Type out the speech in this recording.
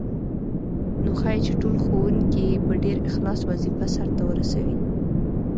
نو ښايي چې ټول ښوونکي په ډېر اخلاص وظیفه سرته ورسوي.